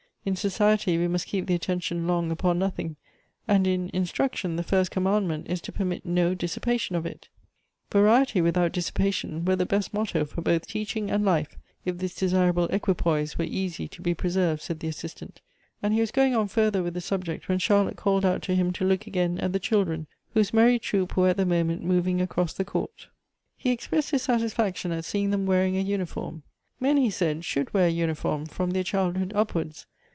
In society we must keep the attention long upon nothing, and in instruction the first commandment is to permit no dissipation of it." "Variety, without dissipition, were the best motto for both teaching and life, if this desirable equipoise were easy to be preserved," said the Assistant, and he was going on further with the subject, when Charlotte called out to him to look again at the children, whose merry troop were at the moment moving across the court. He Elective Affinities. 217 expressed his satisfaction at seeing them wearing a uni form. " Men," he said, " should wear a uniform from their childhood upwards.